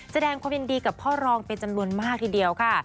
แสดงความยินดีกับพ่อรองเป็นจำนวนมากทีเดียวค่ะ